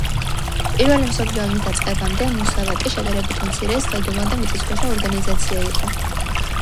პირველი მსოფლიო ომის დაწყებამდე, მუსავატი შედარებით მცირე, საიდუმლო და მიწისქვეშა ორგანიზაცია იყო.